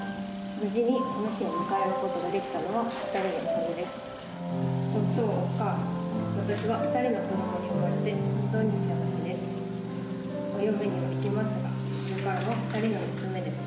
無事にこの日を迎えることができたのは２人のおかげです。